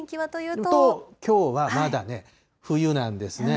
きょうはまだね、冬なんですね。